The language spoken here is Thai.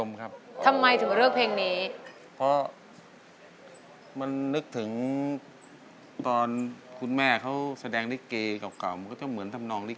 แม่ชะลอแม่เป็นหนึ่งในใจเสมอจริงนะ